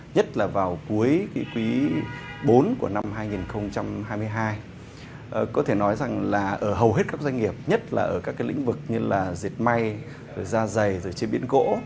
nhất là vào cuối quý bốn của năm hai nghìn hai mươi hai có thể nói rằng là ở hầu hết các doanh nghiệp nhất là ở các lĩnh vực như là diệt may ra giày chế biến cỗ